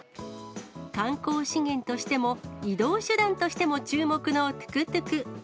観光資源としても移動手段としても注目のトゥクトゥク。